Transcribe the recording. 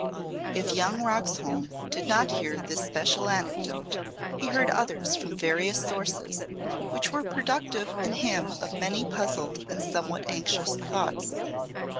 If young Roxholm did not hear this special anecdote, he heard others from various sources which were productive in him of many puzzled and somewhat anxious thoughts.